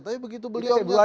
tapi begitu beliau menyeatakan